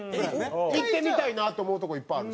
行ってみたいなと思うとこいっぱいあるし。